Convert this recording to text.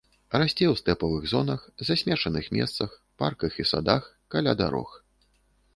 Расце ў стэпавых зонах, засмечаных месцах, парках і садах, каля дарог.